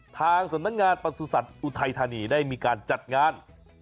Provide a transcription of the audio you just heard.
ทางสำนักงานประสุทธิ์อุทัยธานีได้มีการจัดงาน